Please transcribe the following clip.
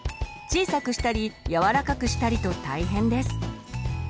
小さくしたり柔らかくしたりと大変です。